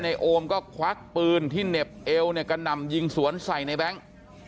โอมก็ควักปืนที่เหน็บเอวเนี่ยกระหน่ำยิงสวนใส่ในแบงค์